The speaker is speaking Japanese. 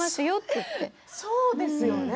そうですよね。